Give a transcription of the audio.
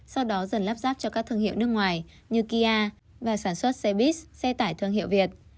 sau đó dần lắp ráp cho các thương hiệu nước ngoài như kia và sản xuất xe buýt xe tải thương hiệu việt